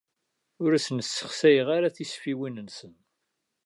Ur asen-ssexsayeɣ tisfiwin-nsen.